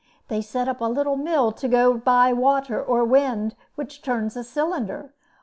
They set up a little mill to go by water or wind, which turns a cylinder.